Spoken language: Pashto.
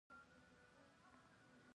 تورکى چې يو څه غټ سو.